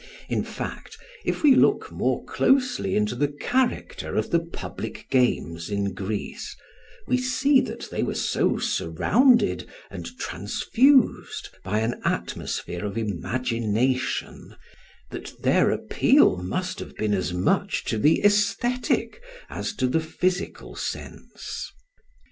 In fact, if we look more closely into the character of the public games in Greece we see that they were so surrounded and transfused by an atmosphere of imagination that their appeal must have been as much to the aesthetic as to the physical sense.